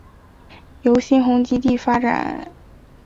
由新鸿基地产发展。